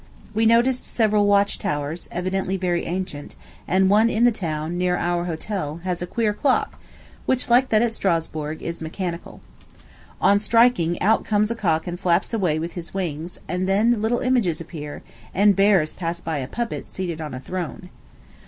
We noticed several watch towers, evidently very ancient; and one in the town, near our hotel, has a queer clock, which, like that at Strasburg, is mechanical. On striking, out comes a cock and flaps away with his wings, and then little images appear, and bears pass by a puppet, seated on a throne.